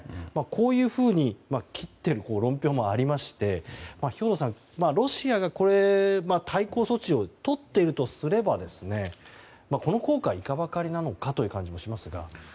こういうふうに切っている論評もありまして兵頭さん、ロシアが対抗措置をとっているとすればこの効果は、いかばかりなのかという感じはしますが。